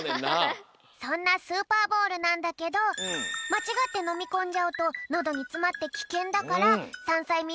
そんなスーパーボールなんだけどまちがってのみこんじゃうとのどにつまってきけんだから３さいみ